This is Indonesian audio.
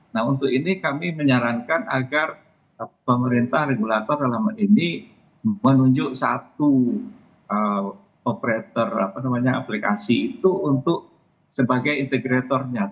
nah untuk ini kami menyarankan agar pemerintah regulator dalam ini menunjuk satu operator aplikasi itu untuk sebagai integratornya